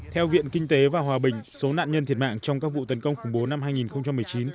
theo viện kinh tế và hòa bình số nạn nhân thiệt mạng trong các vụ tấn công khủng bố năm hai nghìn một mươi chín